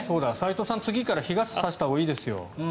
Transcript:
齋藤さん、次から日傘差したほうがいいですよ。